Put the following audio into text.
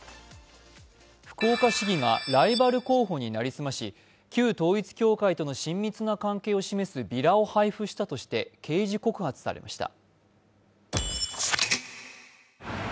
福岡市議がライバル候補に成り済まし旧統一教会との親密な関係を示すビラを配布したとして刑事告発されました。